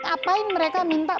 apa yang mereka minta